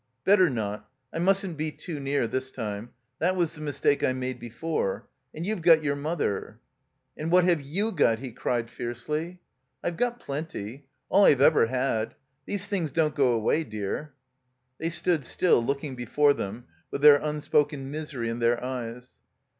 Better not. I mustn't be too near, this time. That was the mistake I made before. And you've got your mother." •'And what have you got?" he cried, fiercely. •'I've got plenty— all I've ever had. These things don't go away, dear." They stood still, looking before them, with their unspoken misery in their eyes.